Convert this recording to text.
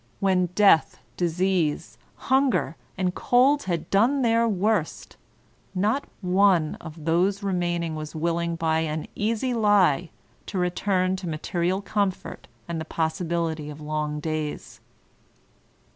When death, disease, hunger, and cold had done their worst, not one of those remain ing was willing by an easy lie to return to material com fort and the possibility of long days.